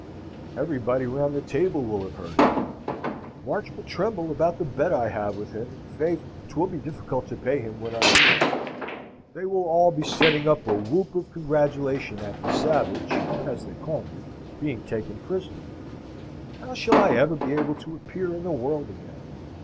Everybody round the table will have heard of it. March will tremble about the bet I have with him; and, faith, 'twill be difficult to pay him when I lose. They will all be setting up a whoop of congratulation at the Savage, as they call me, being taken prisoner. How shall I ever be able to appear in the world again?